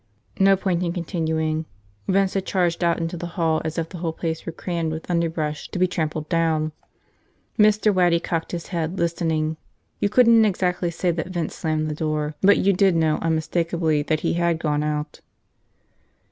..." No point in continuing. Vince had charged out into the hall as if the whole place were crammed with underbrush to be trampled down. Mr. Waddy cocked his head, listening. You couldn't exactly say that Vince slammed the door, but you did know unmistakably that he had gone out.